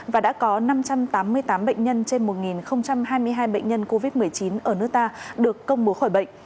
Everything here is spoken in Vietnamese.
và đã có năm trăm tám mươi tám bệnh nhân trên một hai mươi hai bệnh nhân covid một mươi chín ở nước ta được công bố khỏi bệnh